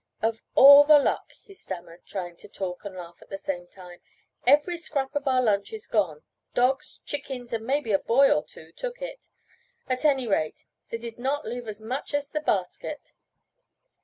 "Of all the luck," he stammered, trying to talk and laugh at the same time, "every scrap of our lunch is gone. Dogs, chickens, and maybe a boy or two took it. At any rate, they did not leave as much as the basket."